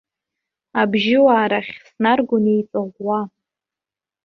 Абжьыуаа рахь снаргон еиҵаӷәӷәа.